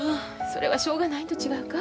それはしょうがないんと違うか？